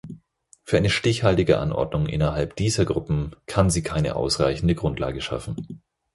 Für eine stichhaltige Anordnung innerhalb dieser Gruppen kann sie keine ausreichende Grundlage schaffen.